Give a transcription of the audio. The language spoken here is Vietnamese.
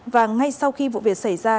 và ngay sau khi vụ việc xảy ra